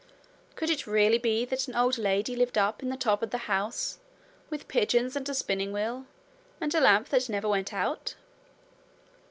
Could it really be that an old lady lived up in the top of the house, with pigeons and a spinning wheel, and a lamp that never went out?